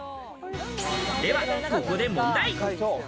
ではここで問題。